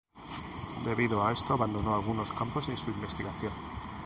Debido a esto abandonó algunos campos de su investigación.